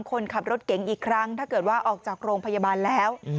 คนขับรถเก๋งอีกครั้งถ้าเกิดว่าออกจากโรงพยาบาลแล้ว